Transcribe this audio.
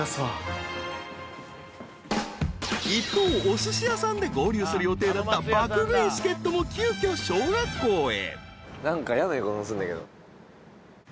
［一方おすし屋さんで合流する予定だった爆食い助っ人も急きょ小学校へ］